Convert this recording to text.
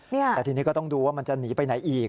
แต่ทีนี้ก็ต้องดูว่ามันจะหนีไปไหนอีก